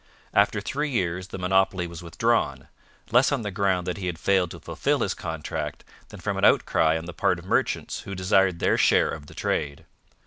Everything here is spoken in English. After three years the monopoly was withdrawn, less on the ground that he had failed to fulfil his contract than from an outcry on the part of merchants who desired their share of the trade.